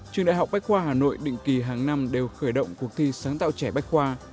trường đại học bách khoa hà nội định kỳ hàng năm đều khởi động cuộc thi sáng tạo trẻ bách khoa